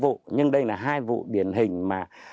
mỗi chiến thắng tr nutrient giảm